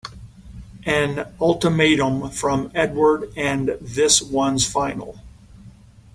An ultimatum from Edward and this one's final!